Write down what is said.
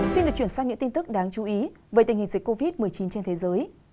xin được chuyển sang những tin tức đáng chú ý về tình hình dịch covid một mươi chín trên thế giới